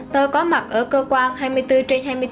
tôi có mặt ở cơ quan hai mươi bốn trên hai mươi bốn